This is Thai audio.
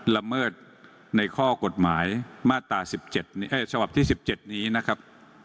ละเมิดในข้อกฎหมายมาตรศ๑๗นี้นะครับ